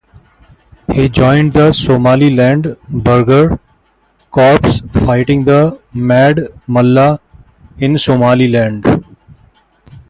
He joined the Somaliland Burgher Corps fighting the "Mad Mullah" in Somaliland.